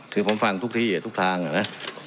คือผมฟังทุกที่ทุกทางอะนะ